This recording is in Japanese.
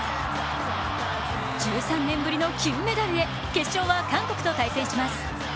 １３年ぶりの金メダルへ決勝は韓国と対戦します。